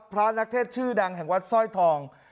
พระนักเทศชื่อดังแห่งวัดสร้อยทอง